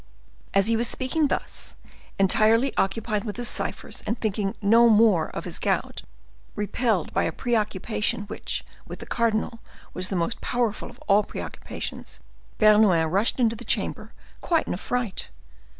As he was speaking thus, entirely occupied with his ciphers, and thinking no more of his gout, repelled by a preoccupation which, with the cardinal, was the most powerful of all preoccupations, Bernouin rushed into the chamber, quite in a fright.